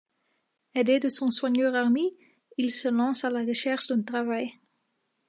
Aidé de son soigneur Army, il se lance à la recherche d'un travail.